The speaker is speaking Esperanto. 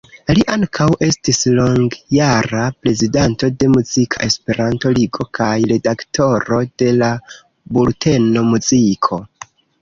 Li ankaŭ estis longjara prezidanto de Muzika Esperanto-Ligo kaj redaktoro de la bulteno "Muziko".